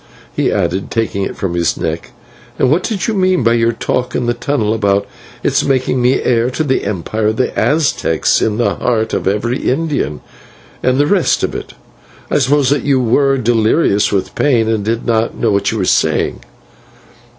he added, taking it from his neck; "and what did you mean by your talk in the tunnel about its making me heir to the empire of the Aztecs in the heart of every Indian, and the rest of it? I suppose that you were delirious with pain, and did not know what you were saying."